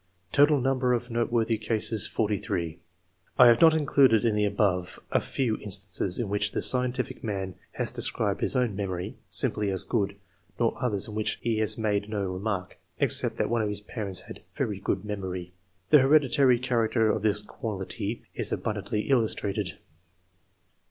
Total number of note worthy cases, 43. I have not included in the above, a few instances in which the scientific man has described his own memory, simply as "good," nor others in which he has made no remark, except that one of his parents had very good memory. The hereditary character of this quality is abundantly illustrated.